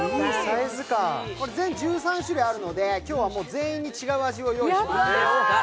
全１３種類あるので、今日は全員違う味をご用意しました。